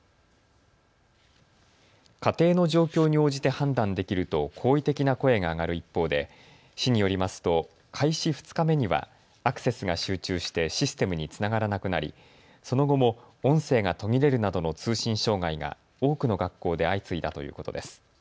家庭の状況に応じて判断できると好意的な声が上がる一方で市によりますと開始２日目にはアクセスが集中してシステムにつながらなくなりその後も音声が途切れるなどの通信障害が多くの学校で相次いだということです。